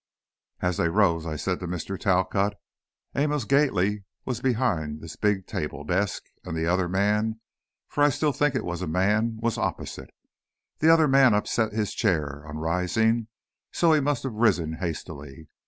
"As they rose," I said to Mr. Talcott, "Amos Gately was behind this big table desk, and the other man, for I still think it was a man, was opposite. The other man upset his chair, on rising, so he must have risen hastily.